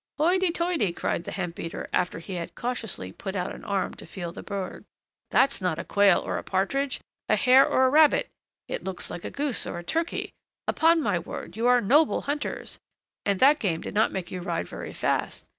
"Hoity toity!" cried the hemp beater, after he had cautiously put out an arm to feel the bird; "that's not a quail or a partridge, a hare or a rabbit; it looks like a goose or a turkey. Upon my word, you are noble hunters! and that game did not make you ride very fast.